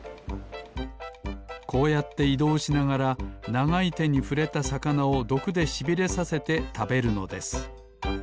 こうやっていどうしながらながいてにふれたさかなをどくでしびれさせてたべるのです